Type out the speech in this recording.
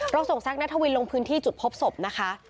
ส่งแซคนัทวินลงพื้นที่จุดพบศพนะคะ